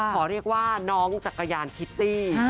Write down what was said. ขอเรียกว่าน้องจักรยานคิตตี้